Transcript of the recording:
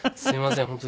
すいません。